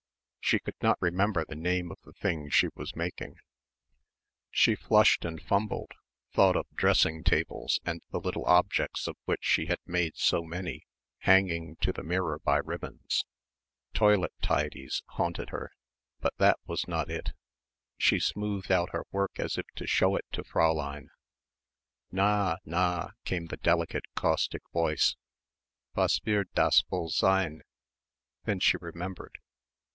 She could not remember the name of the thing she was making. She flushed and fumbled thought of dressing tables and the little objects of which she had made so many hanging to the mirror by ribbons; "toilet tidies" haunted her but that was not it she smoothed out her work as if to show it to Fräulein "Na, na," came the delicate caustic voice. "Was wird das wohl sein?" Then she remembered.